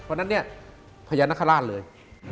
เพราะฉะนั้นพญานาคาราชเลย